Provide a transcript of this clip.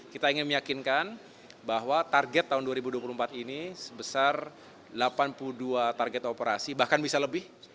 kita ingin meyakinkan bahwa target tahun dua ribu dua puluh empat ini sebesar delapan puluh dua target operasi bahkan bisa lebih